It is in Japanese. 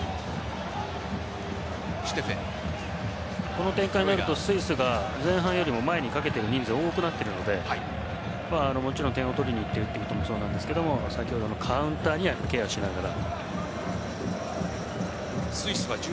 この展開になるとスイスが前半よりも前にかけている人数が多くなってくるんでもちろん点を取りに行っているということもそうなんですが先ほどのカウンターはケアしながら。